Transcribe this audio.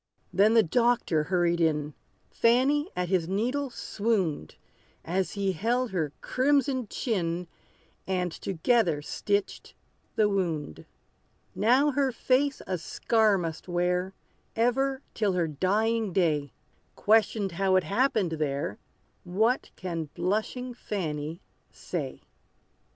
Then the doctor hurried in: Fanny at his needle swooned, As he held her crimson chin, And together stitched the wound. Now her face a scar must wear, Ever till her dying day! Questioned how it happened there, What can blushing Fanny say?